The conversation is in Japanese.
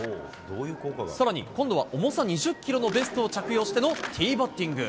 さらに、今度は重さ２０キロのベストを着用してのティーバッティング。